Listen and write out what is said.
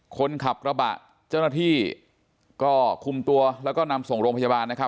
คนขับกระบะเจ้าหน้าที่ก็คุมตัวแล้วก็นำส่งโรงพยาบาลนะครับ